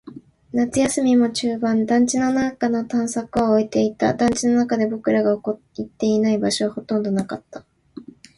夏休みも中盤。団地の中の探索は終えていた。団地の中で僕らが行っていない場所はほとんどなかった。